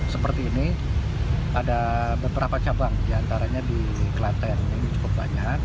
seperti ini ada beberapa cabang diantaranya di klaten ini cukup banyak